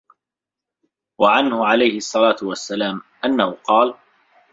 وَعَنْهُ عَلَيْهِ الصَّلَاةُ وَالسَّلَامُ أَنَّهُ قَالَ